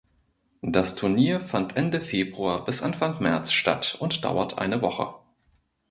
Das Turnier fand Ende Februar bis Anfang März statt und dauert eine Woche.